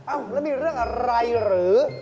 แล้วมีเรื่องอะไรหรือ